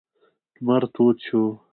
لمر تود شو.